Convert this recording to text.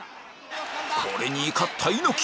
これに怒った猪木